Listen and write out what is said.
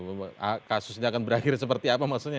bahwa kasus ini akan berakhir seperti apa maksudnya